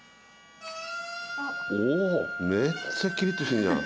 おおめっちゃキリッとしてるじゃん。